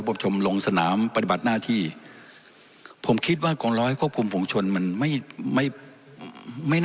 ผมชมลงสนามปฏิบัติหน้าที่ผมคิดว่ากองร้อยควบคุมฝุงชนมันไม่ไม่น่า